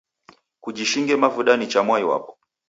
Kujishinge mavuda nicha mwai wapo